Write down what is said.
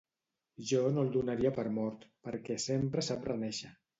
Jo no el donaria per mort perquè sempre sap renéixer.